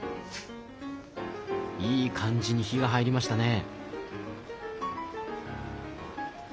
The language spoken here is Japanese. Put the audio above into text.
いい感じに火が入りましたね。